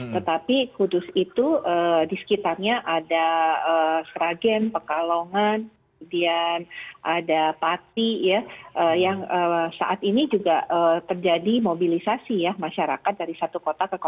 tetapi kudus itu di sekitarnya ada sragen pekalongan kemudian ada pati ya yang saat ini juga terjadi mobilisasi ya masyarakat dari sekitar